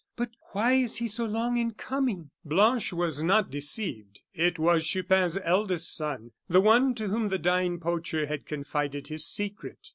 But why is he so long in coming?" Blanche was not deceived. It was Chupin's eldest son; the one to whom the dying poacher had confided his secret.